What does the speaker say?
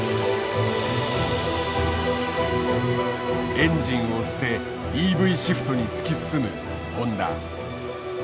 エンジンを捨てＥＶシフトに突き進むホンダ。